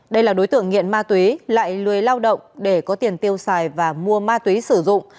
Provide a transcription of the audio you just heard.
đây là đối tượng nghiện ma túy lại lười lao động để có tiền tiêu xài và mua ma túy sử dụng